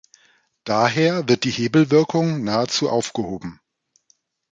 Daher wird die Hebelwirkung nahezu aufgehoben.